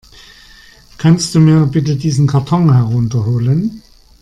Kannst du mir bitte diesen Karton herunter holen?